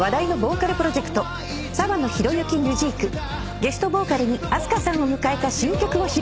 ゲストボーカルにＡＳＫＡさんを迎えた新曲を披露。